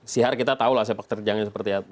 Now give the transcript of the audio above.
sihar kita tahu lah sepak terjangnya seperti apa